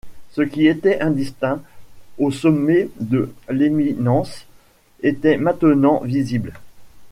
Ce qui était indistinct au sommet de l’éminence était maintenant visible.